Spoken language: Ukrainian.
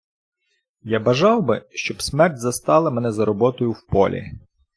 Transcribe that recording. Я бажав би, щоб смерть застала мене за роботою в полі.